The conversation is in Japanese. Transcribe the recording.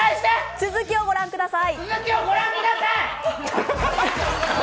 続きを御覧ください！